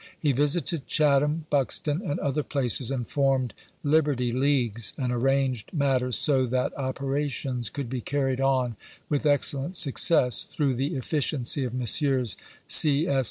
He visited Chatham, Buxton, and other places, and formed Liberty Leagues, and arranged mat ters so that operations could be carried on with excellent suc cess, through the efficiency of Messrs.